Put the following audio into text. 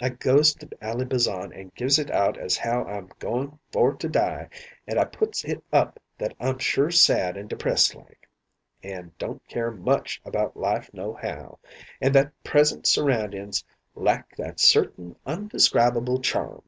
I goes to Ally Bazan and gives it out as how I'm going for to die, an' I puts it up that I'm sure sad and depressed like; an' don't care much about life nohow; an' that present surroundin's lack that certain undescribable charm.